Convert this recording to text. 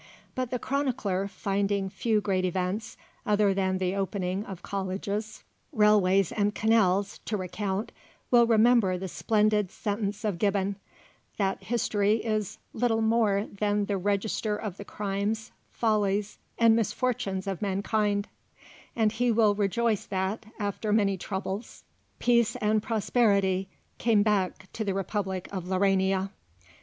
But the chronicler, finding few great events, other than the opening of colleges, railways, and canals, to recount, will remember the splendid sentence of Gibbon, that history is "little more than the register of the crimes, follies, and misfortunes of mankind"; and he will rejoice that, after many troubles, peace and prosperity came back to the Republic of Laurania.